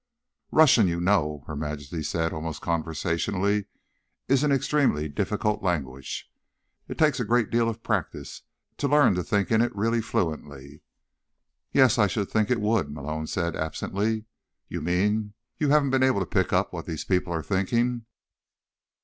_ "Russian, you know," Her Majesty said, almost conversationally, "is an extremely difficult language. It takes a great deal of practice to learn to think in it really fluently." "Yes, I should think it would," Malone said absently. _You mean you haven't been able to pick up what these people are thinking?